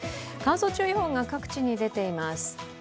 乾燥注意報が各地に出ています。